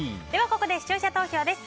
ここで視聴者投票です。